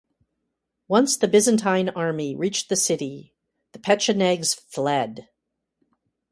Once the Byzantine army reached the city the Pechenegs fled.